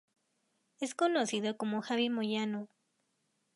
Es conocido como Javi Moyano.